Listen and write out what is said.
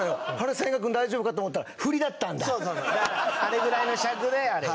千賀君大丈夫か？と思ったら振りだったんだそうそうそうだからあれぐらいの尺であれよ